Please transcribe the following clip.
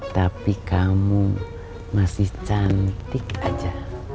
tapi kamu masih cantik aja